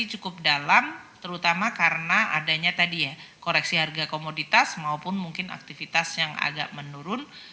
ini cukup dalam terutama karena adanya tadi ya koreksi harga komoditas maupun mungkin aktivitas yang agak menurun